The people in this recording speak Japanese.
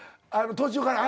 途中から。